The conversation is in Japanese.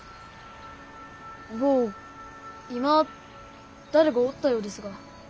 坊今誰かおったようですが。